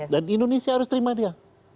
dan indonesia harus terima dia